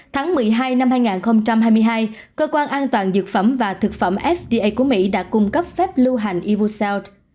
tháng một mươi hai năm hai nghìn hai mươi hai cơ quan an toàn dược phẩm và thực phẩm fda của mỹ đã cung cấp phép lưu hành ivoso